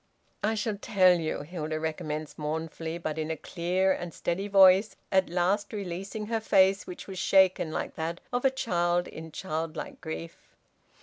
"I shall tell you," Hilda recommenced mournfully, but in a clear and steady voice, at last releasing her face, which was shaken like that of a child in childlike grief.